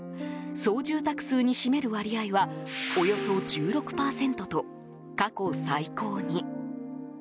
総住宅数に占める割合はおよそ１６％と過去最高に。